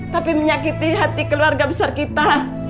tapi menyakiti hati keluarga besar kita